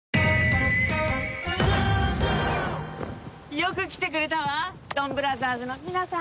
よく来てくれたわドンブラザーズの皆さん！